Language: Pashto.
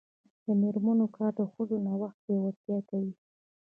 د میرمنو کار د ښځو نوښت پیاوړتیا کوي.